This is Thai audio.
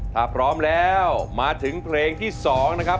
ถ้าพร้อมแล้วมาถึงเพลงที่๒นะครับ